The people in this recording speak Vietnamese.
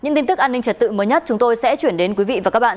những tin tức an ninh trật tự mới nhất chúng tôi sẽ chuyển đến quý vị và các bạn